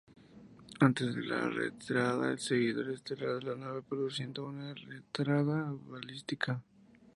Antes de la reentrada el seguidor estelar de la nave, produciendo una reentrada balística.